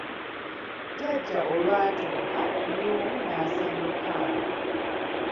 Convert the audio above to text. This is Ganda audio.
Jjjaja olwatuuka buli omu n'asanyuka.